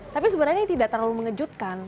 tapi sebenarnya ini tidak terlalu mengejutkan